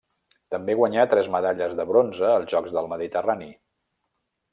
També guanyà tres medalles de bronze als Jocs del Mediterrani.